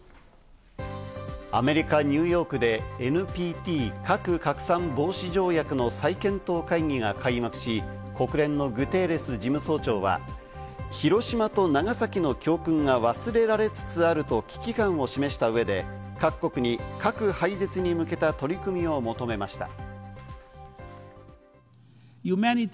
アメリカ・ニューヨークで、ＮＰＴ＝核拡散防止条約の再検討会議が開幕し、国連のグテーレス事務総長は広島と長崎の教訓が忘れられつつあると危機感を示した上で、各国に核廃絶に向けた取り組みを求めました。